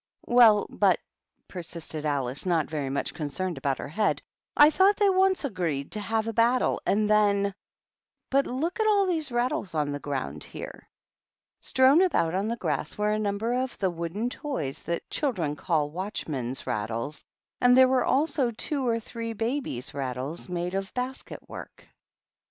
"Well, but," persisted Alice, not very much concerned about her head, "I thought they once agreed to have a battle, and then But loot at all these rattles on the ground here!" Strown about on the grass were a number of the wooden toys that children call watchmen'^ rattles, and there were also two or three babies rattles made of basket work.